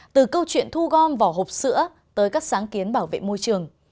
từ câu chuyện thu gom vỏ hộp sữa tới các sáng kiến bảo vệ môi trường